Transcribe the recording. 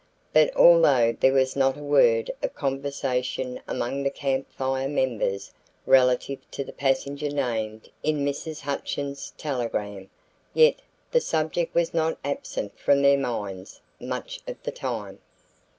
But although there was not a word of conversation among the Camp Fire members relative to the passenger named in Mrs. Hutchins' telegram, yet the subject was not absent from their minds much of the time.